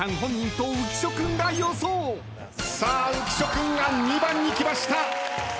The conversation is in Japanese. さあ浮所君が２番に来ました。